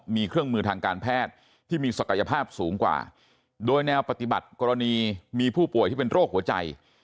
มีเครื่องมือทางการแพทย์ที่มีศักยภาพสูงกว่าโดยแนวปฏิบัติกรณีมีผู้ป่วยที่เป็นโรคหัวใจ